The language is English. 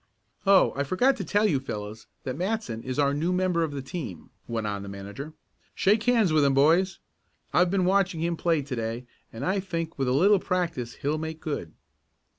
"Oh, I forgot to tell you fellows that Matson is our new member of the team," went on the manager. "Shake hands with him, boys. I've been watching him play to day and I think with a little practice he'll make good."